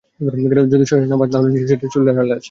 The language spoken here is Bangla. যদি শরীরে না পান, তাহলে নিশ্চয়ই সেটা চুলের আড়ালে আছে!